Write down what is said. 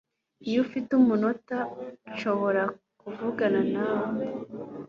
Iyo ufite umunota nshobora kuvugana nawe